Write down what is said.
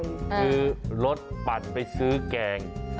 คือรถปั่นไปซื้อแกง